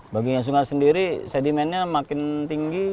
baginya sungai sendiri sedimennya makin tinggi